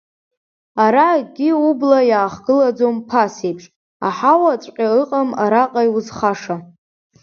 Ара акгьы убла иаахгылаӡом ԥасеиԥш, аҳауаҵәҟьа ыҟам араҟа иузхаша.